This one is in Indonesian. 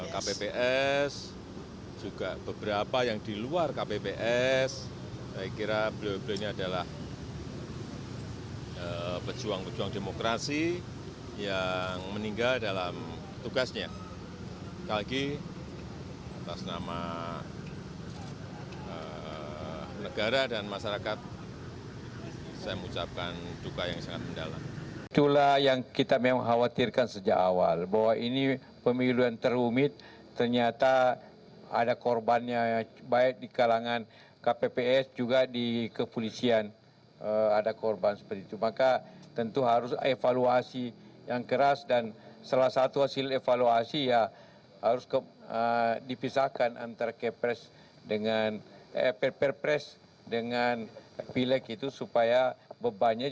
ketua tps sembilan desa gondorio ini diduga meninggal akibat penghitungan suara selama dua hari lamanya